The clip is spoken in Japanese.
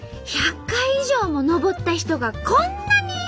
１００回以上も登った人がこんなにいるの？